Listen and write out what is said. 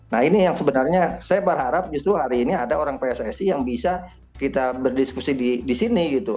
nah ini yang sebenarnya saya berharap justru hari ini ada orang pssi yang bisa kita berdiskusi di sini gitu